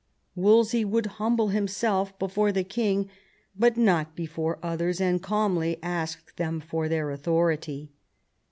Wolsey would humble himself before the king, but not before others, and calmly asked them for their authority.